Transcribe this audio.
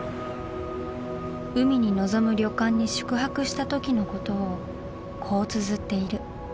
海に臨む旅館に宿泊した時のことをこうつづっている。